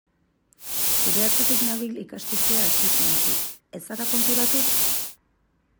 Zure atzetik nabil ikasturtea hasi zenetik, ez zara konturatu?